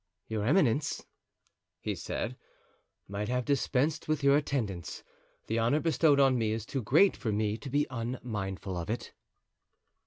"Your eminence," he said, "might have dispensed with your attendants; the honor bestowed on me is too great for me to be unmindful of it."